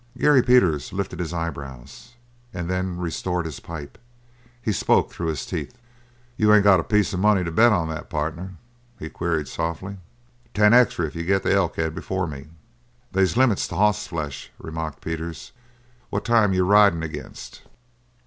Gary Peters lifted his eyebrows and then restored his pipe. He spoke through his teeth. "You ain't got a piece of money to bet on that, partner?" he queried softly. "Ten extra if you get to Elkhead before me." "They's limits to hoss flesh," remarked Peters. "What time you ridin' against?"